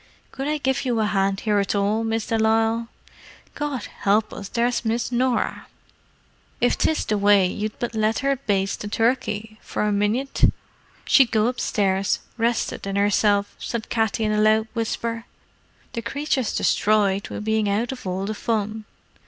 Could I give you a hand here at all, Miss de Lisle? God help us, there's Miss Norah!" "If 'tis the way you'd but let her baste the turkey for a minyit, she'd go upstairs reshted in hersilf," said Katty in a loud whisper. "The creature's destroyed with bein' out of all the fun."